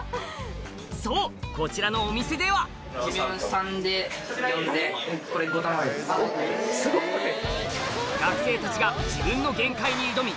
そうこちらのお店では学生たちが自分の限界に挑み